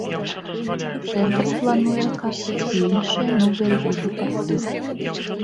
Цэнтр плануе аказваць і іншыя новыя віды паслуг.